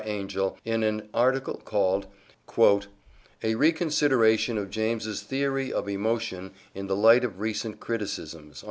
Angell in an article called "A Reconsideration of James's Theory of Emotion in the Light of Recent Criticisms."